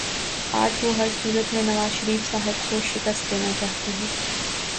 آج وہ ہر صورت میں نوازشریف صاحب کو شکست دینا چاہتے ہیں